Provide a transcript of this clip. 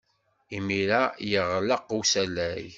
Imir-a, yeɣleq usalay.